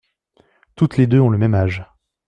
Toutes les deux ont le même âge !